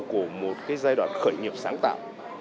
của một giai đoạn khởi nghiệp sáng tạo